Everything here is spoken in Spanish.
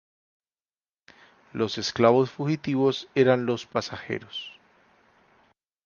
Los esclavos fugitivos eran los "pasajeros".